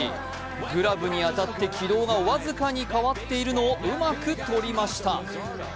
グラブに当たって軌道が僅かに変わっているのをうまく取りました。